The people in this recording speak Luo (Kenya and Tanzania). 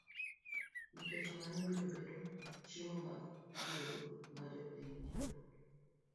Nikech mano biro bedo chiemo mag puodho ma jopiny tiyo godo.